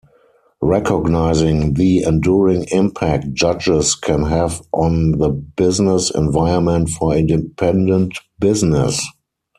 Recognizing the enduring impact judges can have on the business environment for independent business.